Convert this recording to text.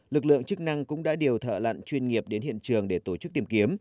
lực lượng chức năng cũng đã điều thợ lặn chuyên nghiệp đến hiện trường để tổ chức tìm kiếm